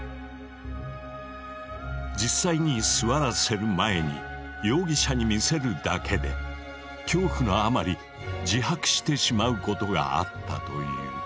実際に座らせる前に容疑者に見せるだけで恐怖のあまり自白してしまうことがあったという。